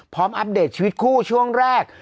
อัปเดตชีวิตคู่ช่วงแรก